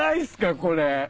これ。